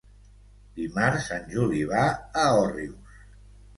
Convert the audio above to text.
Dimarts en Juli va a Òrrius.